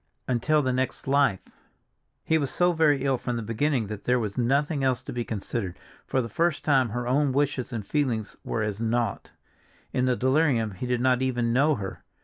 Until the next life! He was so very ill from the beginning that there was nothing else to be considered; for the first time her own wishes and feelings were as naught. In the delirium he did not even know her.